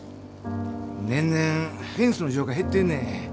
年々フェンスの需要が減ってんねん。